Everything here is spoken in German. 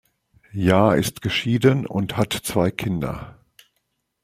Jahr ist geschieden und hat zwei Kinder.